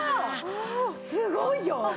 すごいよ！